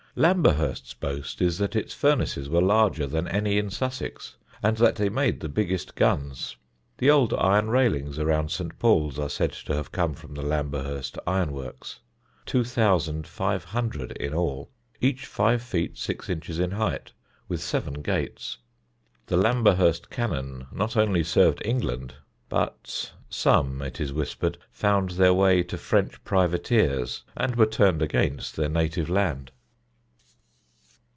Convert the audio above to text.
Lamberhurst's boast is that its furnaces were larger than any in Sussex; and that they made the biggest guns. The old iron railings around St. Paul's are said to have come from the Lamberhurst iron works 2,500 in all, each five feet six inches in height, with seven gates. The Lamberhurst cannon not only served England, but some, it is whispered, found their way to French privateers and were turned against their native land.